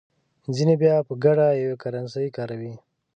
ځینې بیا په ګډه یوه کرنسي کاروي.